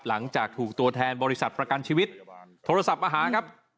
หลังจากถูกตัวแทนบริษัทประกันชีวิตโทรศัพท์มาหาครับ